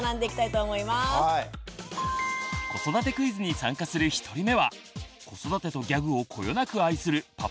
子育てクイズに参加する１人目は子育てとギャグをこよなく愛するパパ